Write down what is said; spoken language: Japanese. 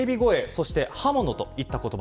そして刃物といった言葉。